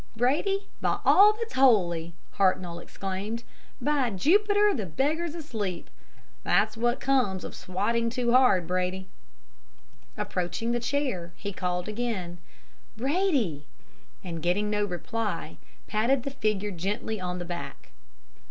"'Brady, by all that's holy,' Hartnoll exclaimed. 'By Jupiter, the beggar's asleep. That's what comes of swotting too hard! Brady!' "Approaching the chair he called again, 'Brady!' and getting no reply, patted the figure gently on the back.